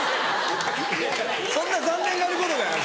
そんな残念がることじゃ。